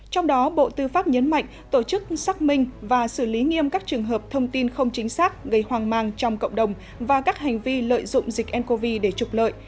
trong đó bộ tư pháp nhấn mạnh tổ chức xác minh và xử lý nghiêm các trường hợp thông tin không chính xác gây hoang mang trong cộng đồng và các hành vi lợi dụng dịch ncov để trục lợi